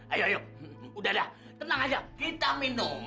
ayo ayo udah dah tenang aja kita minum